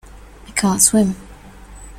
I can't swim.